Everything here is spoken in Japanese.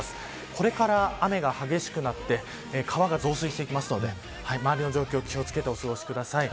これから雨が激しくなって川が増水していきますので周りの状況に気を付けてお過ごしください。